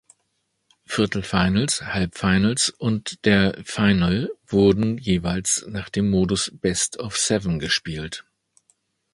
Viertelfinals, Halbfinals und der Final wurden jeweils nach dem Modus Best of seven gespielt.